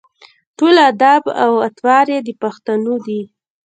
ټول اداب او اطوار یې د پښتنو دي.